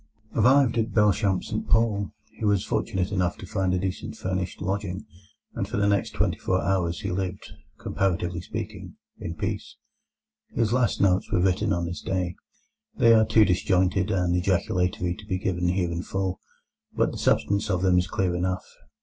Arrived at Belchamp St Paul, he was fortunate enough to find a decent furnished lodging, and for the next twenty four hours he lived, comparatively speaking, in peace. His last notes were written on this day. They are too disjointed and ejaculatory to be given here in full, but the substance of them is clear enough.